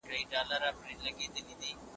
توکمي اړيکي تر اوس مهمې وې.